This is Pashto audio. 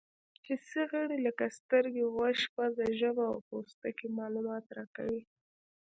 حسي غړي لکه سترګې، غوږ، پزه، ژبه او پوستکی معلومات راکوي.